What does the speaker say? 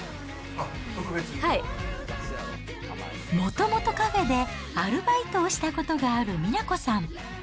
もともとカフェでアルバイトをしたことがある美奈子さん。